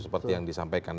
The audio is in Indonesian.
seperti yang disampaikan